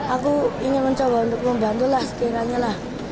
aku ingin mencoba untuk membantulah sekiranya lah